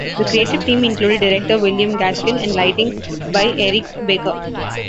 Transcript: The creative team included: director William Gaskill and lighting by Eric Baker.